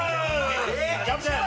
キャプテン！